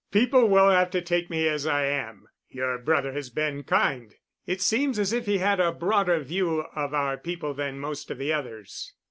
People will have to take me as I am. Your brother has been kind. It seems as if he had a broader view of our people than most of the others."